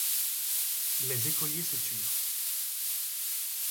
Les écoliers se turent.